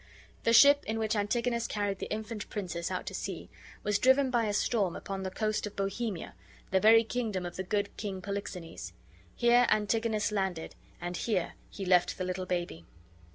The ship in which Antigonus carried the infant princess out to sea was driven by a storm upon the coast of Bohemia, the very kingdom of the good King Polixenes. Here Antigonus landed and here he left the little baby.